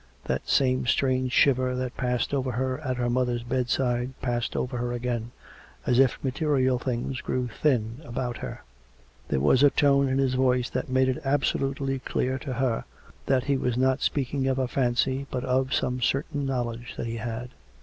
That same strange shiver that passed over her at her mother's bedside, passed over her again, as if material things grew thin about her. There was a tone in his voice that made it absolutely clear to her that he was not speak ing of a fancy, but of some certain knowledge that he had.